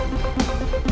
yang sabar ya ris